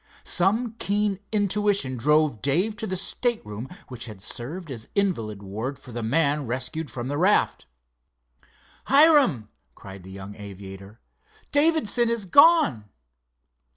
Some keen intuition drove Dave to the stateroom which had served as invalid ward for the man rescued from the raft. "Hiram," cried the young aviator, "Davidson is gone!"